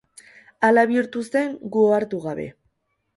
Hala bihurtu zen gu ohartu gabe.